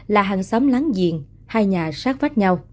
là hàng xóm láng giềng hai nhà sát vách nhau